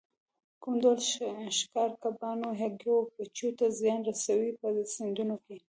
کوم ډول ښکار کبانو، هګیو او بچیو ته زیان رسوي په سیندونو کې.